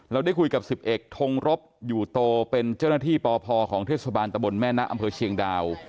ได้คุยกับ๑๑ทงรบอยู่โตเป็นเจ้าหน้าที่ปพของเทศบาลตะบนแม่นะอำเภอเชียงดาว